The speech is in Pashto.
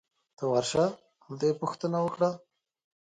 ته ورشه ! هلته یې پوښتنه وکړه